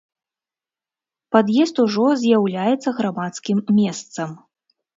Пад'езд ужо з'яўляецца грамадскім месцам.